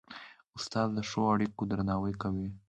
استاد د ښو اړيکو درناوی کوي.